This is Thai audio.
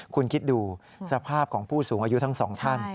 คุณคิดดูสภาพของผู้สูงอายุทั้งสองท่าน